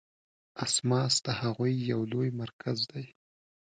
اسماس د هغوی یو لوی مرکز دی.